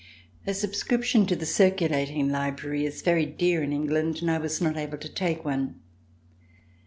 A sub scription to the Circulating Library is very dear in England and I was not able to take one.